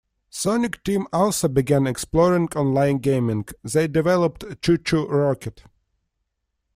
Sonic Team also began exploring online gaming; they developed ChuChu Rocket!